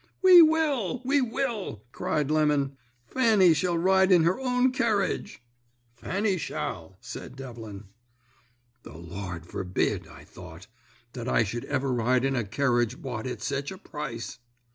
"'We will, we will!' cried Lemon. 'Fanny shall ride in her own kerridge.' "'Fanny shall,' said Devlin. "'The Lord forbid,' I thought, 'that I should ever ride in a kerridge bought at sech a price!'